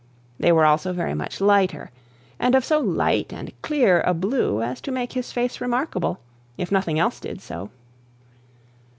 They were also very much lighter, and of so light and clear a blue as to make his face remarkable, if nothing else did so.